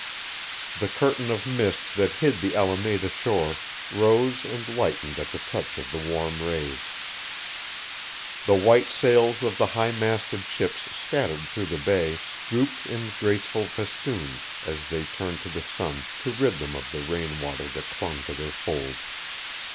The curtain of mist that hid the Alameda shore rose and lightened at the touch of the warm rays. The white sails of the high masted ships scattered through the bay, drooped in graceful festoons as they turned to the sun to rid them of the rain water that clung to their folds.